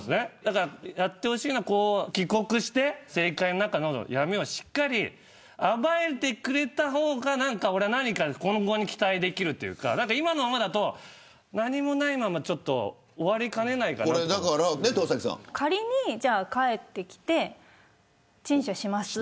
やってほしいのは帰国して政界の闇を暴いてくれた方が俺は今後に期待ができるというか今のままだと、何もないまま終わりかねないかなと仮に帰ってきて陳謝します。